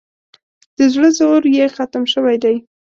د زړه زور یې ختم شوی دی.